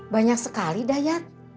banyak sekali dayat